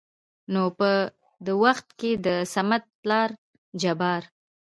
نو په د وخت کې دصمد پلار جبار